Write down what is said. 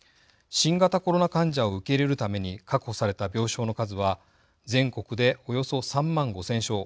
新型コロナ患者を受け入れるために確保された病床の数は全国でおよそ３万５０００床。